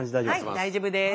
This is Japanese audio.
はい大丈夫です。